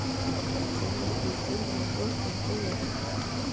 担任北京应用物理与计算数学研究所研究员。